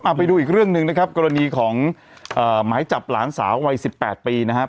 เอาไปดูอีกเรื่องหนึ่งนะครับกรณีของเอ่อหมายจับหลานสาววัยสิบแปดปีนะครับ